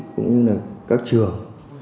cũng như là các trường